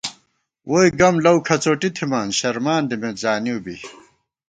ووئی گم لَؤ کھڅوٹی تھِمان، شرمان دِمېت زانِؤ بی